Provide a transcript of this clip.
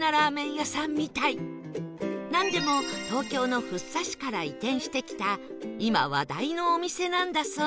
やっぱりなんでも東京の福生市から移転してきた今話題のお店なんだそう